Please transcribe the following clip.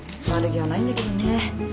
悪気はないんだけどね。